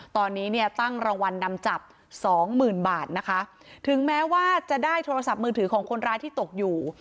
ตอนนี้เนี่ยตั้งรางวัลนำจับสองหมื่นบาทนะคะถึงแม้ว่าจะได้โทรศัพท์มือถือของคนร้ายที่ตกอยู่